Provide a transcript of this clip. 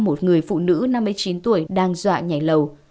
một người phụ nữ năm mươi chín tuổi đang dọa nhảy lầu